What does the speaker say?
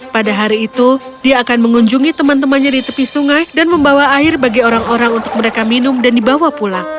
pada hari itu dia akan mengunjungi teman temannya di tepi sungai dan membawa air bagi orang orang untuk mereka minum dan dibawa pulang